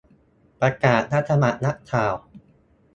ประกาศ - รับสมัครนักข่าว